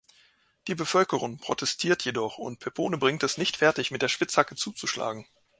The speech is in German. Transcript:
Die Bevölkerung protestiert jedoch und Peppone bringt es nicht fertig, mit der Spitzhacke zuzuschlagen.